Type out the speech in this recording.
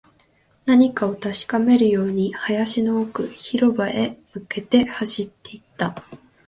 何かを確かめるように、林の奥、広場に向けて歩いていった